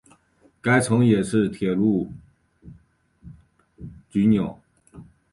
该城也是铁路枢纽。